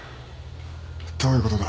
どういうことだ？